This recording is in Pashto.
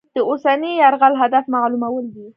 د اوسني یرغل هدف معلومول دي.